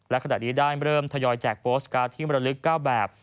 และขณะนี้ได้เริ่มทยอยแจกโปสตการ์ดที่มรลึก๙แบบ